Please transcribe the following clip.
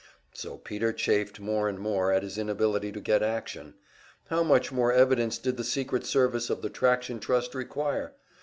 So Peter chafed more and more at his inability to get action. How much more evidence did the secret service of the Traction Trust require?